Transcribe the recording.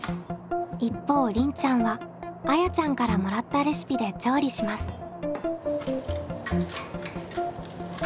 一方りんちゃんはあやちゃんからもらったレシピで調理します。